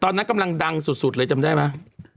ตอนนั้นกำลังดังสุดเลยจำได้ไหม